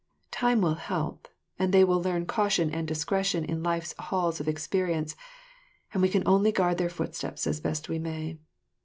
Time will help, and they will learn caution and discretion in life's halls of experience, and we can only guard their footsteps as best we may.